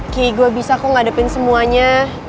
ghi gua bisa kok ngadepin semuanya